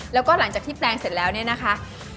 แล้วก็หลังจากที่แปลงเสร็จแล้วเนี่ยนะคะ